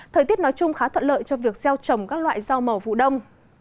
thời tiết nói chung khá thuận lợi cho việc gieo trồng các loại rau màu vụ đông